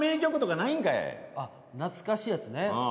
懐かしいやつね。